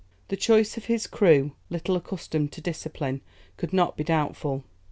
The choice of this crew, little accustomed to discipline, could not be doubtful.